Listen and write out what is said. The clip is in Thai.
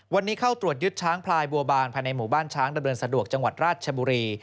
วันนี้เข้าตรวจยึดช้างพลายบัวบานภายในหมู่บ้านช้างดำเนินสะดวกจังหวัดราชบุรี